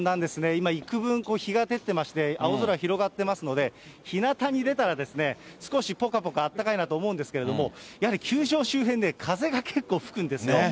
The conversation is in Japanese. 今いくぶん日が照ってまして、青空広がってますので、ひなたに出たら少しぽかぽかあったかいなと思うんですけど、やはり球場周辺ね、風が結構吹くんですよ。